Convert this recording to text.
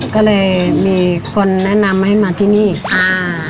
ก็เลยมีคนแนะนำให้มาที่นี่อ่า